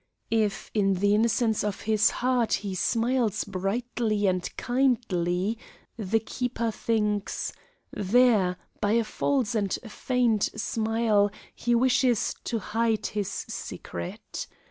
"If in the innocence of his heart he smiles brightly and kindly, the keeper thinks: 'There, by a false and feigned smile, he wishes to hide his secret.